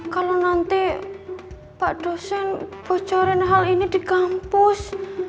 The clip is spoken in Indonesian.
kalau nanti pak dosen bocorin hal ini di kampus